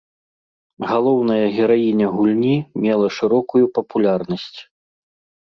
Галоўная гераіня гульні мела шырокую папулярнасць.